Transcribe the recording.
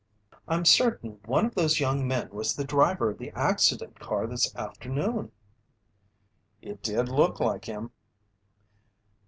"I'm certain one of those young men was the driver of the accident car this afternoon!" "It did look like him."